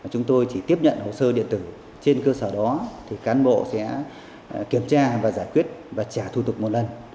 chúng tôi chỉ tiếp nhận hồ sơ điện tử trên cơ sở đó thì cán bộ sẽ kiểm tra và giải quyết và trả thủ tục một lần